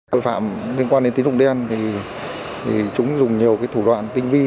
tội phạm liên quan đến tiến dụng đèn thì chúng dùng nhiều thủ đoạn tinh vi